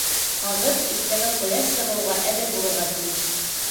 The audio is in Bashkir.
Һағыҙ иртәгә ҡояш сығыуға әҙер булырға тейеш!